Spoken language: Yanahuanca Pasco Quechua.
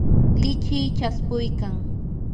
lichiy chaspuykan.